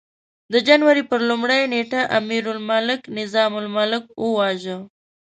د جنوري پر لومړۍ نېټه امیرالملک نظام الملک وواژه.